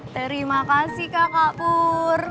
terima kasih kakak pur